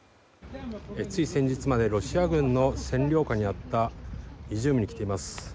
つい先日までロシア軍の占領下にあったイジュームに来ています。